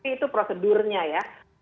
itu prosedurnya ya